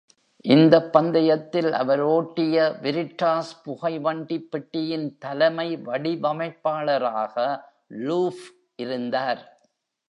இந்த பந்தயத்தில் அவர் ஓட்டிய வெரிடாஸ் புகை வண்டிப் பெட்டியின் தலைமை வடிவமைப்பாளராக லூஃப் இருந்தார்.